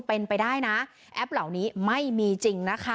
เป็นไปได้นะแอปเหล่านี้ไม่มีจริงนะคะ